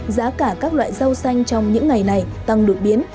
giá cả các loại rau xanh trong những ngày này tăng đột biến